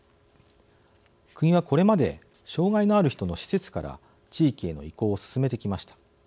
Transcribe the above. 国はこれまで障害のある人の施設から地域への移行を進めてきました。